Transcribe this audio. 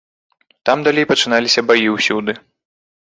Там далей пачыналіся баі ўсюды.